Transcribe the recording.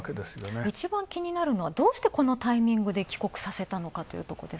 いちばん気になったのはどうしてこのタイミングで帰国させたのか。